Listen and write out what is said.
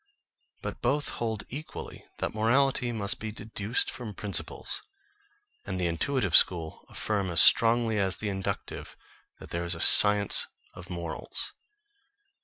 But both hold equally that morality must be deduced from principles; and the intuitive school affirm as strongly as the inductive, that there is a science of morals.